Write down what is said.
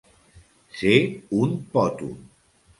Ser un pòtol.